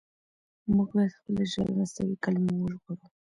موږ بايد خپله ژبه له مصنوعي کلمو وژغورو.